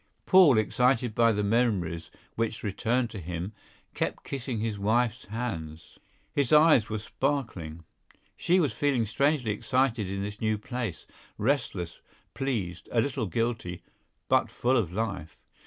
Paul, excited by the memories which returned to him, kept kissing his wife's hands. His eyes were sparkling. She was feeling strangely excited in this new place, restless, pleased, a little guilty, but full of life.